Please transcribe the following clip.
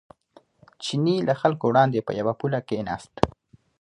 چیني له خلکو وړاندې په یوه پوله کېناست.